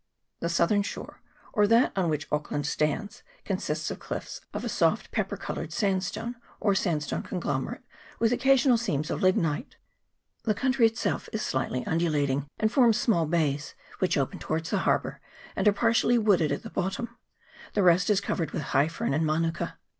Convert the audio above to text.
The southern shore, or that on which Auckland stands, consists of cliffs of a soft pepper coloured sandstone, or sandstone conglomerate, with occa sional seams of lignite. The country itself is CHAP. XX.] AUCKLAND. 279 slightly undulating, and forms small bays, which open towards the harbour, and are partially wooded at the bottom. The rest is covered with high fern and manuka.